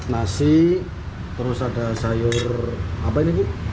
nasi terus ada sayur apa ini bu